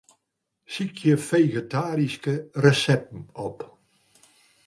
Sykje fegetaryske resepten op.